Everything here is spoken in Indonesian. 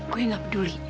gua nggak peduli